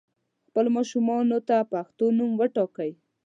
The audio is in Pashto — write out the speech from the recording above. خپل ماشومانو ته پښتو نوم وټاکئ